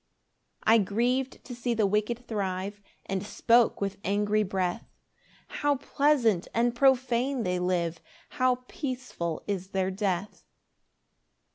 2 I griev'd to see the wicked thrive, And spoke with angry breath, "How pleasant and profane they live! "How peaceful is their death!